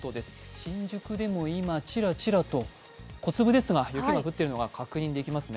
新宿でも今、ちらちらと小粒ですが雪が降っているのが確認できますね。